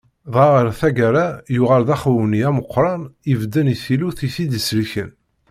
Dɣa ɣer tagara yuɣal d axewni ameqqran ibedden i tillut i t-id-isellken.